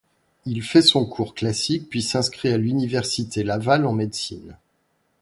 Il fait son cours classique puis s'inscrit à l'Université Laval en médecine.